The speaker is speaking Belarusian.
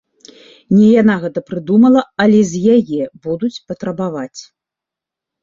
Не яна гэта прыдумала, але з яе будуць патрабаваць.